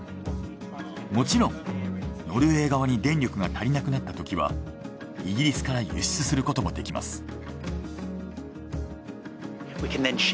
もちろんノルウェー側に電力が足りなくなったときはイギリスから輸出することもできます。